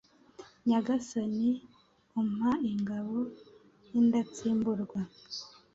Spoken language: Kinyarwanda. Nyagasani umpa ingabo y’indatsimburwa